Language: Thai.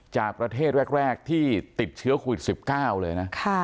จากประเทศแรกที่ติดเชื้อโควิด๑๙เลยนะ